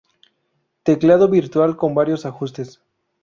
Teclado virtual con varios ajustes.